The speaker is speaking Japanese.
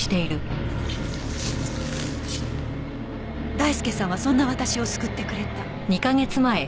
「大輔さんはそんな私を救ってくれた」